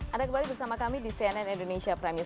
anda kembali bersama kami di cnn indonesia prime news